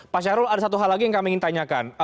pak syahrul ada satu hal lagi yang kami ingin tanyakan